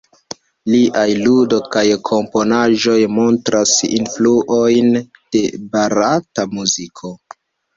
Liaj ludo kaj komponaĵoj montras influojn de barata muziko.